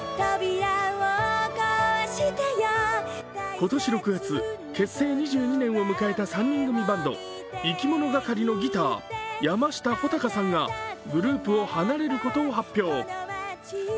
今年６月、結成２２年を迎えた３人組バンド、いきものがかりのギター、山下穂尊さんがグループを離れることを発表。